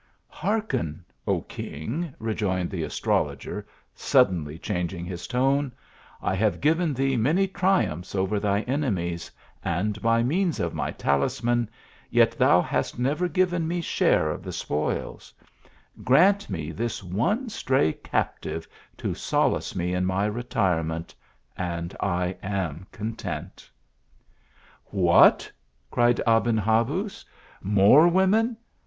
" Hearken, O king," rejoined the astrologer, sud denly changing his tone " I have given thee many triumphs over thy enemies, and by means of my talisman, yet thou hast never given me share of the spoils ; grant me this one stray captive to solace me in my retirement, and I am content." " What !" cried Aben Habuz, " more women